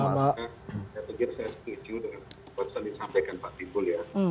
saya pikir saya setuju dengan keputusan yang disampaikan pak timbul ya